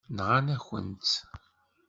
Nɣan-akent-tt.